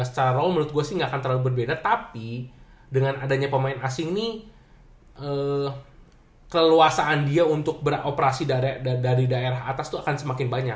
secara roll menurut gue sih nggak akan terlalu berbeda tapi dengan adanya pemain asing ini keleluasaan dia untuk beroperasi dari daerah atas itu akan semakin banyak